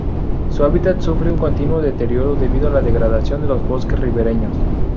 Su hábitat sufre un continuo deterioro debido a la degradación de los bosques ribereños.